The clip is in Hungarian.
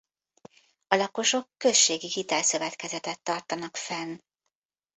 A lakosok községi hitelszövetkezetet tartanak fenn.